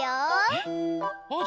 えっ！